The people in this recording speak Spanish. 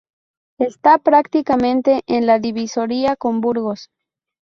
Está prácticamente en la divisoria con Burgos.